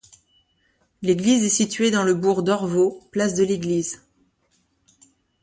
L'église est située dans le bourg d'Orvault, place de l'église.